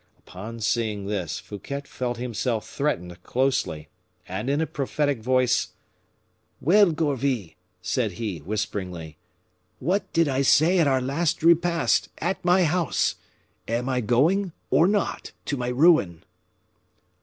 Upon seeing this, Fouquet felt himself threatened closely, and in a prophetic voice "Well, Gourville," said he, whisperingly, "what did I say at our last repast, at my house? Am I going, or not, to my ruin?"